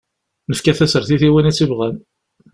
Nefka tasertit i win i tt-yebɣan.